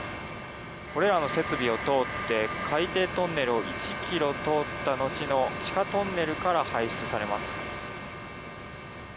これらの設備を通って海底トンネルを１ｋｍ通った後の地下トンネルから排出されます。